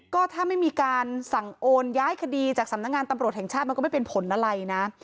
ก็ถ้าไม่มีการสั่งโอนย้ายคดีจากสำนักงานตำรวจแห่งชาติมันก็ไม่เป็นผลอะไรนะ